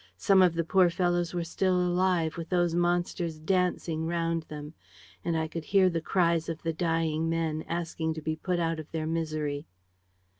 Some of the poor fellows were still alive, with those monsters dancing round them; and I could hear the cries of the dying men asking to be put out of their misery.